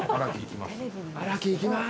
「荒木行きます」